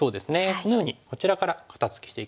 このようにこちらから肩ツキしていきます。